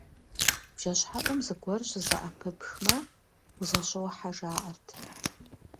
Бжэщхьэӏум зыгуэр щызэӏэпыпхмэ, узэщохьэ жаӏэрт.